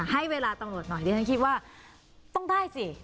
ให้เวลาตำรวจหน่อยดิฉันคิดว่าต้องได้สิ